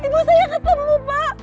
ibu saya ketemu pak